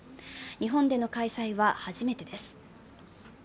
日本での開催は初めてです。